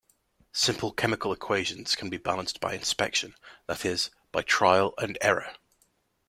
Simple chemical equations can be balanced by inspection, that is, by trial and error.